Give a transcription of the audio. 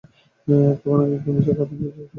এখন আমি আর তুমি ছাড়া পৃথিবীতে আর কোন মুসলিম নেই।